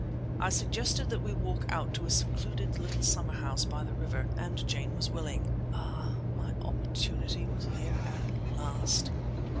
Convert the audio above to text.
I suggested that we walk out to a secluded little summer house by the river, and Jane was willing. Ah! my opportunity was here at last.